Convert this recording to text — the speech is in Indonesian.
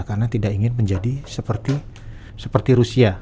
karena tidak ingin menjadi seperti rusia